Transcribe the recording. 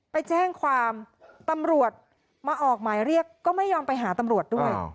ไปแจ้งความตำรวจมาออกหมายเรียกก็ไม่ยอมไปหาตำรวจด้วย